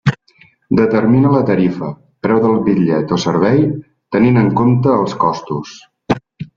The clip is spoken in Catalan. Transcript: Determina la tarifa, preu del bitllet o servei, tenint en compte els costos.